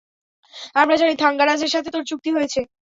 আমরা জানি থাঙ্গারাজের সাথে তোর চুক্তি হয়েছে।